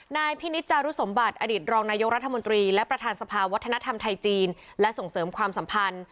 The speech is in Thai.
นายพินิษจารุสมบัติอดีตรองนายกรัฐมนตรีและประธานสภาวัฒนธรรมไทยจีนและส่งเสริมความสัมพันธ์